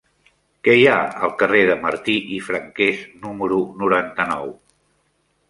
Què hi ha al carrer de Martí i Franquès número noranta-nou?